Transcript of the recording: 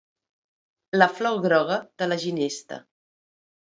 La flor groga de la ginesta.